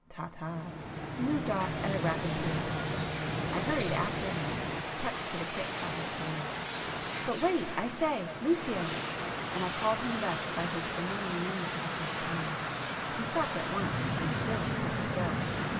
Ta ta!" He moved off at a rapid pace,—I hurried after him, touched to the quick by his kindness. "But wait—I say—Lucio!" And I called him thus by his familiar name for the first time. He stopped at once and stood quite still.